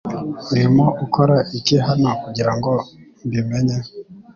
Urimo ukora iki hano kugirango mbi menye